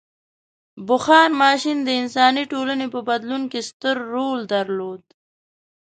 • بخار ماشین د انساني ټولنو په بدلون کې ستر رول درلود.